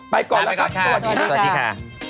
ไปก่อนแล้วค่ะสวัสดีค่ะไปก่อนค่ะสวัสดีค่ะ